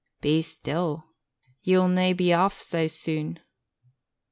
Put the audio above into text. "Be still. Ye'll na be off sae soon."